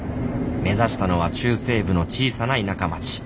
目指したのは中西部の小さな田舎町カラマズー